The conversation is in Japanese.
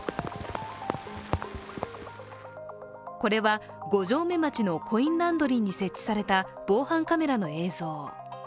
これは、五城目町のコインランドリーに設置された防犯カメラの映像。